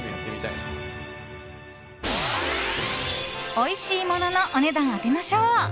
おいしいもののお値段当てましょう！